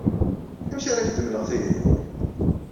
Amek ara ak-d-mleɣ tayri-inu?